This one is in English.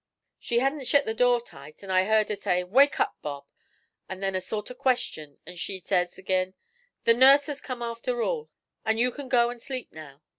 'She hadn't shet the door tight, an' I heard her say, "Wake up, Bob." An' then a sort of question; an' she says ag'in, "The nurse has come after all, and you can go and sleep now."